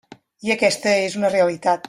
I aquesta és una realitat.